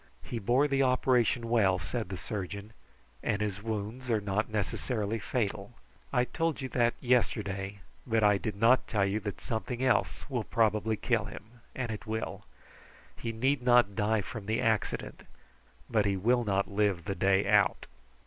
"He bore the operation well," replied the surgeon, "and his wounds are not necessarily fatal. I told you that yesterday, but I did not tell you that something else probably would kill him; and it will. He need not die from the accident, but he will not live the day out."